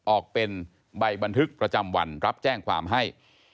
ออกเป็นใบบันทึกประจำวันรับแจ้งความให้